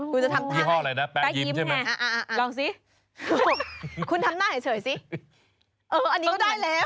คุณจะทำหน้าใหม่แป๊กยิ้มใช่ไหมลองสิคุณทำหน้าเฉยสิเอออันนี้ก็ได้แล้ว